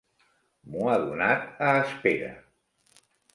M'ho ha donat a espera.